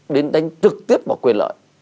đến đánh trực tiếp vào quyền lợi